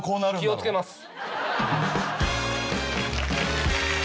気を付けます。